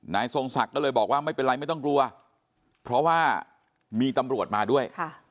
ทรงศักดิ์ก็เลยบอกว่าไม่เป็นไรไม่ต้องกลัวเพราะว่ามีตำรวจมาด้วย